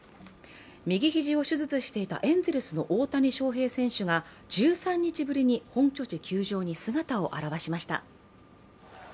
右肘を手術していたエンゼルスの大谷翔平選手が１３日ぶりに本拠地球場に姿を現しました。